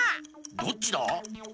どっちだ？